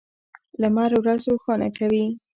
لمر ورځ روښانه کوي.